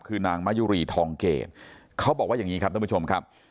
คือนางมะยุรีทองเกรดเขาบอกว่าอย่างนี้ครับท่านผู้ชมครับ